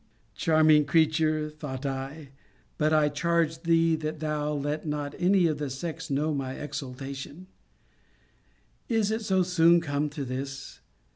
Charming creature! thought I, [but I charge thee, that thou let not any of the sex know my exultation,*] Is it so soon come to this?